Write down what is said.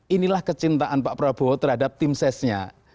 inilah kecintaan pak prabowo terhadap tim sesnya